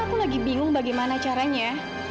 aku lagi bingung bagaimana caranya